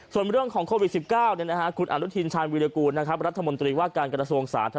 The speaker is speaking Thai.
ส่วนเรื่องของโควิด๑๙คุณอนุทินชาญวิรากูลรัฐมนตรีว่าการกระทรวงสาธารณ